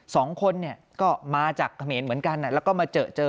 สองคนเนี่ยก็มาจากเขมรเหมือนกันแล้วก็มาเจอเจอ